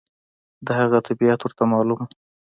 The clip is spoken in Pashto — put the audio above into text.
د هغه طبیعت ورته معلوم و.